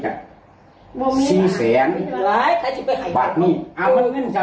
เจ้าฟังถ้าขอยซื้อเจ้าขอยซื้อเจ้าที่หาใหม่ขอยพี่เจ้าบอกบอก